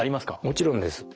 もちろんです。